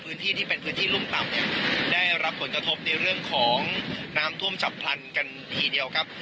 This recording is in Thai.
ที่เป็นพื้นที่รุ่มต่ำเนี่ยได้รับผลกระทบในเรื่องของน้ำท่วมฉับพลันกันทีเดียวครับ